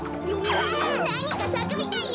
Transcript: あっなにかさくみたいよ！